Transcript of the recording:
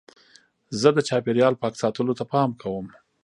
زه د چاپېریال پاک ساتلو ته پام کوم.